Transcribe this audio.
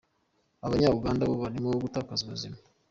Abanya Uganda bo barimo gutakaza ubuzima”.